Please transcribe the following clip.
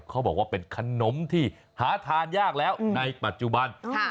เขาบอกว่าเป็นขนมที่หาทานยากแล้วในปัจจุบัน